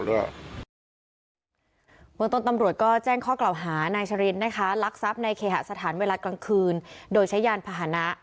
เมืองต้นตำรวจก็แจ้งข้อกล่าวหานายชรินนะคะลักทรัพย์ในเคหสถานเวลากลางคืนโดยใช้ยานพาหนะ